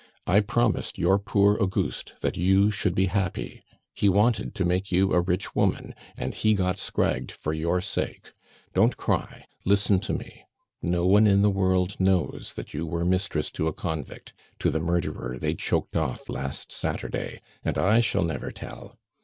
I promised your poor Auguste that you should be happy; he wanted to make you a rich woman, and he got scragged for your sake. "Don't cry; listen to me. No one in the world knows that you were mistress to a convict, to the murderer they choked off last Saturday; and I shall never tell.